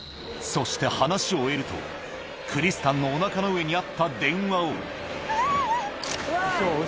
そして話を終えるとクリスタンのお腹の上にあった電話をキャ！